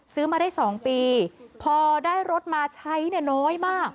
ซื้อมาได้๒ปีพอได้รถมาใช้เนี่ยน้อยมาก